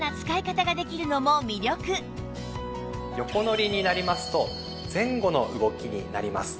横乗りになりますと前後の動きになります。